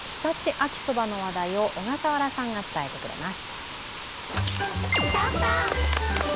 秋そばの話題を小笠原さんが伝えてくれます。